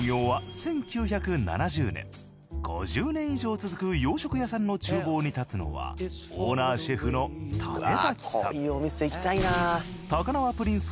５０年以上続く洋食屋さんの厨房に立つのはオーナーシェフの舘崎さん。